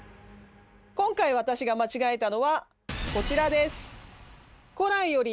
今回私が間違えたのはこちらです。